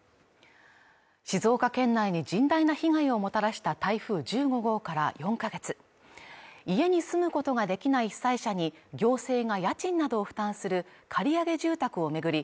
静岡県内に甚大な被害をもたらした台風１５号から４か月家に住むことができない被災者に行政が家賃などを負担する借り上げ住宅を巡り